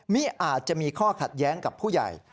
นี่อาจจะมีข้อขัดแย้งกับผู้ใหญ่